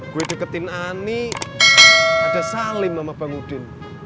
gue deketin ani ada salim sama bang udin